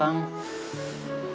ini yang jadi